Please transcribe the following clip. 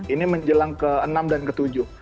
ini menjelang ke enam dan ke tujuh